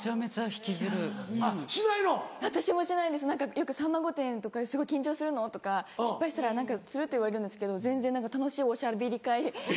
よく『さんま御殿‼』とか緊張するの？とか失敗したらって言われるんですけど全然何か楽しいおしゃべり会。